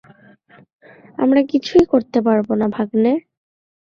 আমরা কিছুই করতে পারবো না ভাগ্নে।